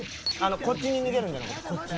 こっちに逃げるんじゃなくこっち。